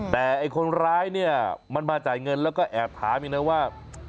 แต่ไอ้คนร้ายเนี่ยมันมาจ่ายเงินแล้วก็แอบถามอีกนะว่า